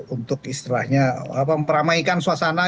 untuk istilahnya memperamaikan suasana